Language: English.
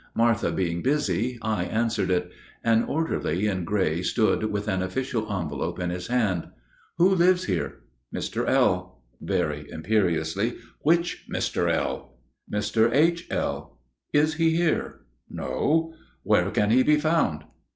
Martha being busy, I answered it. An orderly in gray stood with an official envelop in his hand. "Who lives here?" "Mr. L." Very imperiously "Which Mr. L.?" "Mr. H.L." "Is he here?" "No." "Where can he be found?"